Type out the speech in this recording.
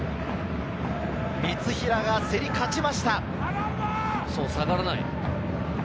三平が競り勝ちました。